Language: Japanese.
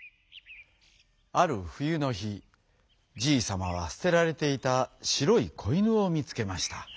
あるふゆのひじいさまはすてられていたしろいこいぬをみつけました。